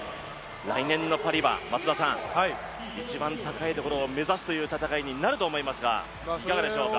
来年のパリは一番高いところを目指すという戦いになると思いますがいかがでしょうか。